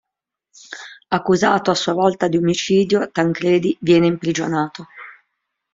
Accusato a sua volta di omicidio, Tancredi viene imprigionato.